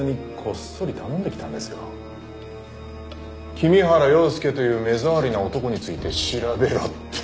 君原洋介という目障りな男について調べろって。